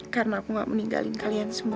karena aku gak meninggalkan kalian semua